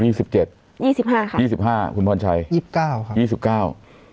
สิบเจ็ดยี่สิบห้าค่ะยี่สิบห้าคุณพรชัยยี่สิบเก้าค่ะยี่สิบเก้า